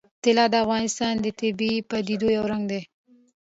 طلا د افغانستان د طبیعي پدیدو یو رنګ دی.